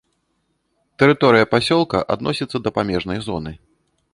Тэрыторыя пасёлка адносіцца да памежнай зоны.